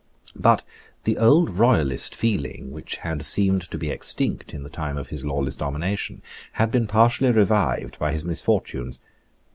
But the old royalist feeling, which had seemed to be extinct in the time of his lawless domination, had been partially revived by his misfortunes.